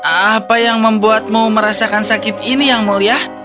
apa yang membuatmu merasakan sakit ini yang mulia